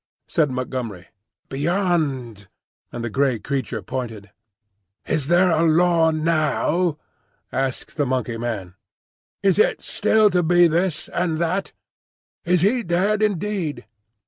said Montgomery. "Beyond," and the grey creature pointed. "Is there a Law now?" asked the Monkey man. "Is it still to be this and that? Is he dead indeed?"